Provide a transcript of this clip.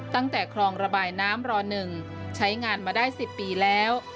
ตั้งแต่คลองระบายน้ำร๑ใช้งานมาได้๑๐ปีแล้ว